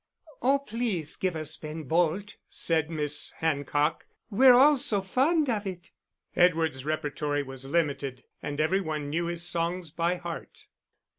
"Oh, please give us Ben Bolt," said Miss Hancock, "we're all so fond of it." Edward's repertory was limited, and every one knew his songs by heart.